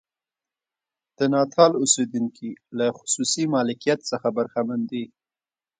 د ناتال اوسېدونکي له خصوصي مالکیت څخه برخمن دي.